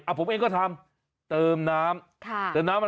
อ้ะผมเองก็ทำเติมน้ำ